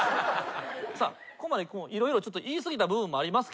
さあここまで色々ちょっと言い過ぎた部分もありますけども。